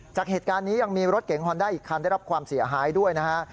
จากเหตุการณ์นี้ยังมีรถเก๋งฮอนด้าอีกคันได้รับความเสียหายด้วยนะฮะ